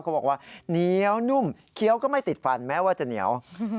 เขาบอกว่าเหนียวนุ่มเคี้ยวก็ไม่ติดฟันแม้ว่าจะเหนียว